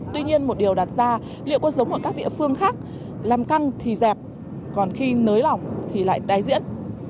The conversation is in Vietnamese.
tuy nhiên một điều đặt ra liệu có giống với các địa phương khác làm căng thì dẹp còn khi nới lỏng thì lại đai diễn